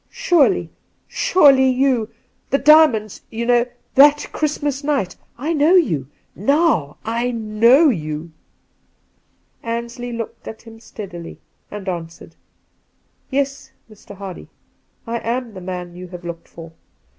Surely — surely you — the diamonds, you know, that Christmas night ! I know you ! Now I know you !' Ansley looked at him steadily, and answered :' Yes, Mr. Hardy, I am the man you have looked for.